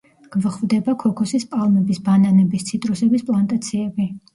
გვხვდება ქოქოსის პალმების, ბანანების, ციტრუსების პლანტაციები.